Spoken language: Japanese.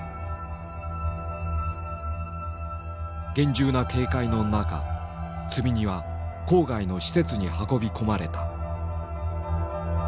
厳重な警戒の中積み荷は郊外の施設に運び込まれた。